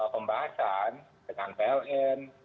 pembahasan dengan pln